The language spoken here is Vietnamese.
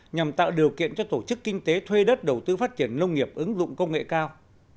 nhằm tạo điều kiện cho tổ chức kinh tế thuê đất đầu tư phát triển nông nghiệp ứng dụng công nghệ cao